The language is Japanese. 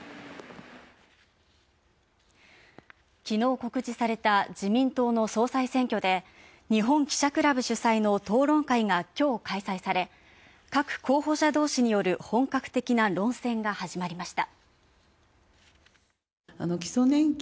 きのう告示された自民党の総裁選挙で日本記者クラブ主催の討論会がきょう開催され、各候補者同士による本格的な論戦が始まりました。